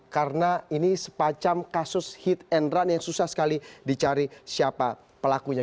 karena ini sepacam kasus hit and run yang susah sekali dicari siapa pelakunya